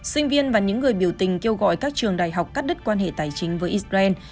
sinh viên và những người biểu tình kêu gọi các trường đại học cắt đứt quan hệ tài chính với israel